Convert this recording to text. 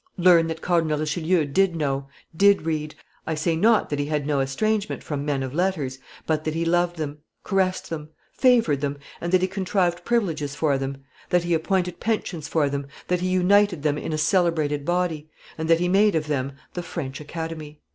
Learn that Cardinal Richelieu did know, did read; I say not that he had no estrangement from men of letters, but that he loved them, caressed them, favored them, that he contrived privileges for them, that he appointed pensions for them, that he united them in a celebrated body, and that he made of them the French Academy."